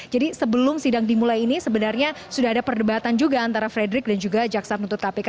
jadi sebelum sidang dimulai ini sebenarnya sudah ada perdebatan juga antara fredrik dan juga jaksa penuntut kpk